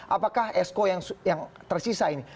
apakah esko yang tersisa ini